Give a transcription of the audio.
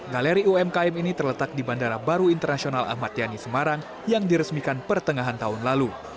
galeri umkm ini terletak di bandara baru internasional ahmad yani semarang yang diresmikan pertengahan tahun lalu